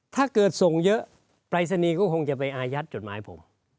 ถ้าเกิดส่งเยอะปรายศนีย์ก็คงจะไปอายัดจดหมายผม